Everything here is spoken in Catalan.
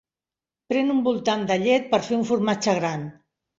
Pren un voltant de llet per fer un formatge gran.